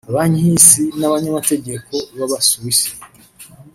Banki y’Isi n’abanyamategeko b’abasuwisi